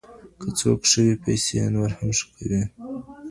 که څوک ښه وي پیسې یې نور هم ښه کوي.